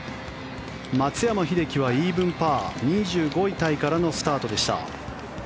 松山英樹はイーブンパー２５位タイからのスタートでした。